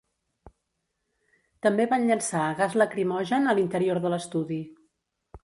També van llençar gas lacrimogen a l’interior de l’estudi.